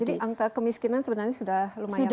jadi angka kemiskinan sebenarnya sudah lumayan turun ya